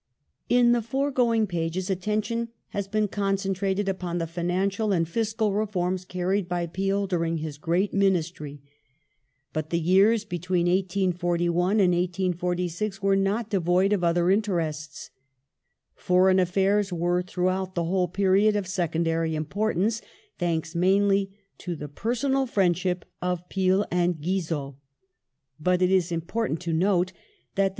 ^ In the foregoing pages attention has been concentrated upon Foreign the financial and fiscal reforms carried by Peel during his great P^^^'^y f"^ , domestic Ministry. But the years between 1841 and 1846 were not devoid adminis of other interests. Foreign affair* were, throughout the whole ^^^^^0" period, of secondary importance, thanks mainly to the personal friendship of Peel and Guizot, but it is important to note that the